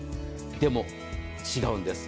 でも違うんです。